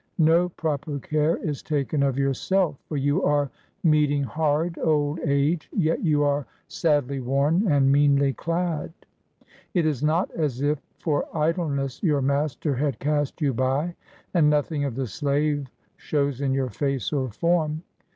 No proper care is taken of yourself; for you are meeting hard old age, yet you are sadly worn and meanly clad. It is not as if for idleness your master had cast you by, and nothing of the slave shows in your face or form.